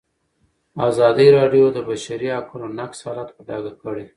ازادي راډیو د د بشري حقونو نقض حالت په ډاګه کړی.